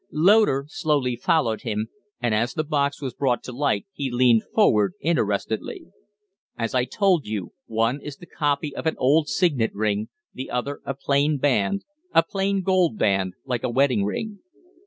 Loder slowly followed him, and as the box was brought to light he leaned forward interestedly. "As I told you, one is the copy of an old signet ring, the other a plain band a plain gold band like a wedding ring."